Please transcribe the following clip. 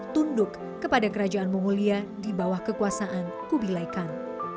tunduk kepada kerajaan mongolia di bawah kekuasaan kubilaikan